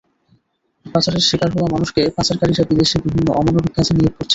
পাচারের শিকার হওয়া মানুষকে পাচারকারীরা বিদেশে বিভিন্ন অমানবিক কাজে নিয়োগ করছে।